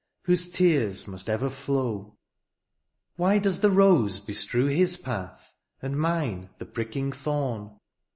Whose tears must ever flow. Why does the rose bestrew his path. And mine the pricking thorn